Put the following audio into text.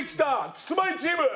キスマイチーム。